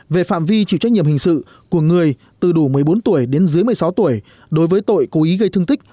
về phạm vi chịu trách nhiệm hình sự của người từ đủ một mươi bốn tuổi đến dưới một mươi sáu tuổi đối với tội cố ý gây thương tích